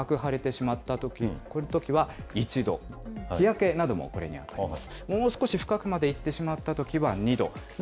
辺りが赤く腫れてしまったとき、こういったときは１度、日焼けなども、これに当たります。